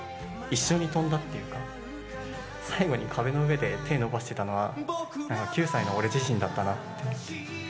一緒に跳んだっていうか、最後に壁の上で手を伸ばしてたのは、９歳の俺自身だったなって。